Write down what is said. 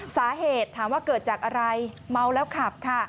สาเหตุถามว่าเกิดจากอะไรเมาแล้วขับค่ะ